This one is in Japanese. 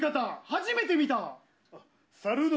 初めて見たわ！